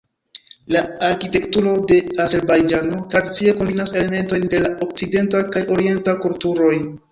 La arkitekturo de Azerbajĝano tradicie kombinas elementojn de la okcidenta kaj orienta kulturoj.